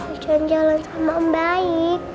cuman jalan sama om baik